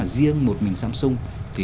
riêng một mình samsung